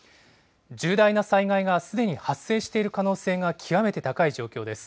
重大な災害がすでに発生している可能性が極めて高い状況です。